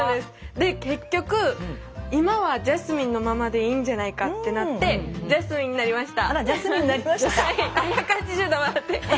で結局今はジャスミンのままでいいんじゃないかってなってジャスミンになりました。